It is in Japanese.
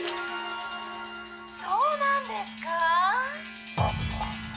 『そうなんですか！』」。